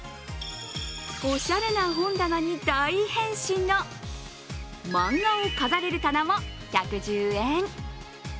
おしゃれな本棚に大変身の漫画を飾れる棚も１１０円。